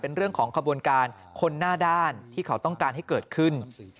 เป็นเรื่องของขบวนการคนหน้าด้านที่เขาต้องการให้เกิดขึ้น